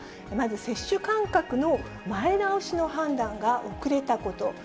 まず、接種間隔の前倒しの判断が遅れたこと。